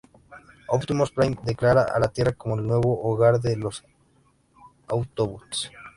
Optimus Prime declara a la Tierra como el nuevo hogar de los Autobots.